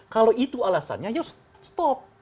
kalau itu alasannya ya stop